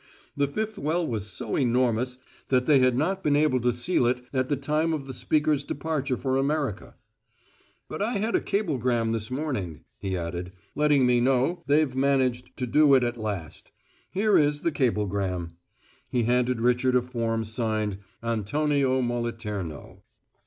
The fifth well was so enormous that they had not been able to seal it at the time of the speaker's departure for America. "But I had a cablegram this morning," he added, "letting me know they've managed to do it at last. Here is, the cablegram." He handed Richard a form signed "Antonio Moliterno."